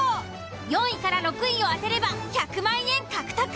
４位６位を当てれば１００万円獲得！